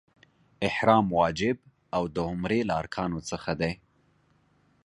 احرام واجب او د عمرې له ارکانو څخه دی.